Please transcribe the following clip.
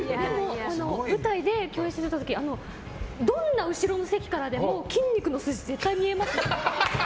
舞台で共演させていただいた時どんな後ろの席からでも筋肉の筋が見えますよ。